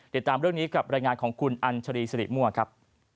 เดี๋ยวตามเรื่องนี้กับรายงานของคุณอันชรีศรีม่วงครับ